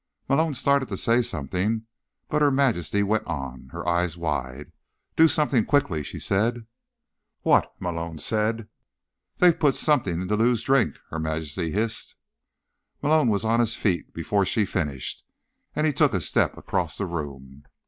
Malone started to say something, but Her Majesty went on, her eyes wide. "Do something quickly!" she said. "What?" Malone said. "They've put something in Lou's drink!" Her Majesty hissed. Malone was on his feet before she'd finished, and he took a step across the room.